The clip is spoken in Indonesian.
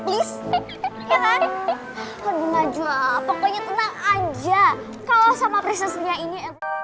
please ya kan aduh najwa pokoknya tenang aja kalau sama prinsesnya ini